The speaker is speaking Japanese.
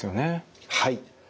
はい。